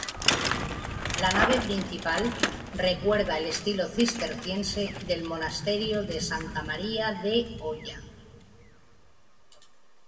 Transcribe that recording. La nave principal recuerda el estilo cisterciense del monasterio de Santa María de Oya.